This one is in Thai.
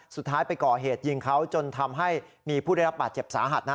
สุดท้ายไปก่อเหตุยิงเขาจนทำให้มีผู้ได้รับบาดเจ็บสาหัส